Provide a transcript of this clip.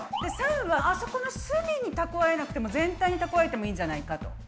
③はあそこの隅にたくわえなくても全体にたくわえてもいいんじゃないかと。